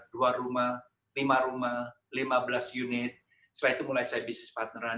dua rumah lima rumah lima belas unit setelah itu mulai saya bisnis partneran